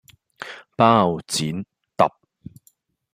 包剪~~揼